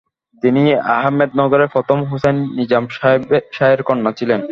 তিনি আহমেদনগরের প্রথম হুসাইন নিজাম শাহের কন্যা ছিলেন।